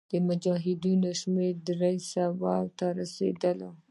د مجاهدینو شمېر دریو سوو ته رسېدی.